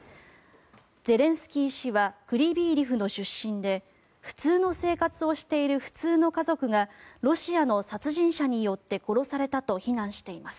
ゼレンスキー氏はクリビー・リフの出身で普通の生活をしている普通の家族がロシアの殺人者によって殺されたと非難しています。